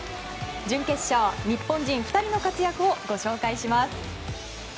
準決勝、日本人２人の活躍をご紹介します。